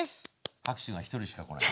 拍手が１人しかこない。